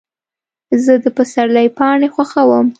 زه د پسرلي پاڼې خوښوم.